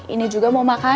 ini juga mau makan